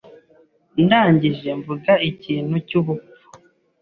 Ndangije mvuga ikintu cyubupfu.